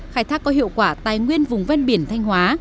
khai thác có hiệu quả tài nguyên vùng ven biển thanh hóa